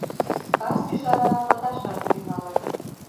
Кас ӱжара пыташат тӱҥалын.